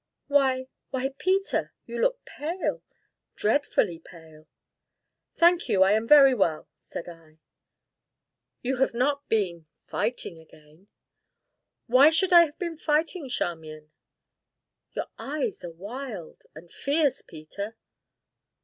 "Why why, Peter you look pale dreadfully pale " "Thank you, I am very well!" said I. "You have not been fighting again?" "Why should I have been fighting, Charmian?" "Your eyes are wild and fierce, Peter."